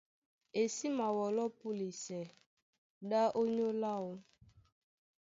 E sí mawɔlɔ́ púlisɛ ɗá ónyólá áō.